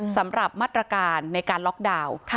สำหรับมาตรการในการล็อกดาวน์